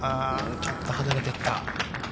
ちょっと離れていった。